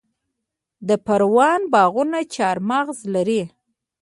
د پروان باغونه چهارمغز لري.